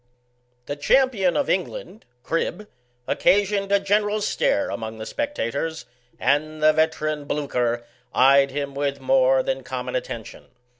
The Champion of England (Cribb) oc casioned a general slare among the spectators, and the veteran Blucher eyed him with more than com mon attention.